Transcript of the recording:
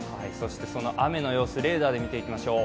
その雨の様子、レーダーで見ていきましょう。